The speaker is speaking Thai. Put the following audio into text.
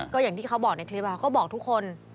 ก็อย่างที่เขาบอกในคลิปเขาบอกทุกคน